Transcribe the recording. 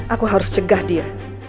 aku harus cegah dia